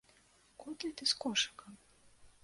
Куды ты з кошыкам?